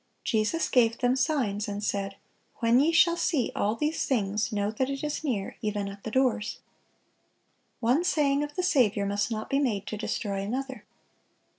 Jesus gave them signs, and said, "When ye shall see all these things, know that it is near, even at the doors."(611) One saying of the Saviour must not be made to destroy another.